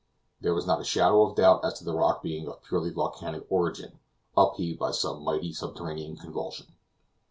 There was not a shadow of doubt as to the rock being of purely volcanic origin, up heaved by some mighty subterranean convulsion.